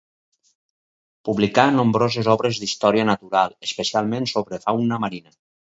Publicà nombroses obres d'història natural, especialment sobre fauna marina.